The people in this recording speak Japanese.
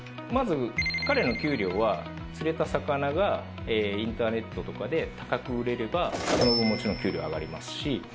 まず彼の給料は釣れた魚がインターネットとかで高く売れればその分もちろん給料上がりますし。